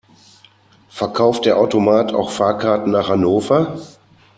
Verkauft der Automat auch Fahrkarten nach Hannover?